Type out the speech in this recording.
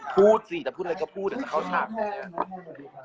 พูดสิจะพูดอะไรก็พูดเดี๋ยวจะเข้าฉากผมเนี่ย